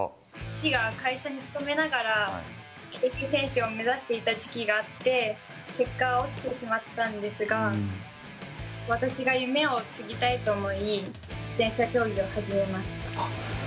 父が会社に勤めながら、競輪選手を目指していた時期があって、結果、落ちてしまったんですが、私が夢を継ぎたいと思い、自転車競技を始めました。